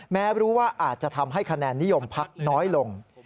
แม้รู้ว่าอาจจะทำให้คะแนนนิยมพักน้อยลง